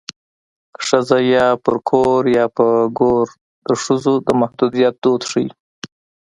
ښځه یا پر کور یا په ګور د ښځو د محدودیت دود ښيي